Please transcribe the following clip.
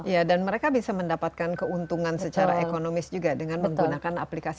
ya dan mereka bisa mendapatkan keuntungan secara ekonomis juga dengan menggunakan aplikasi